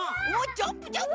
ジャンプジャンプ！